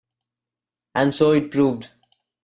And so it proved.